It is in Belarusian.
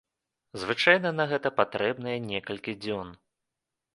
Звычайна на гэта патрэбныя некалькі дзён.